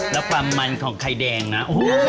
แล้วปราบมันของไข่แดงนะโอ้โฮ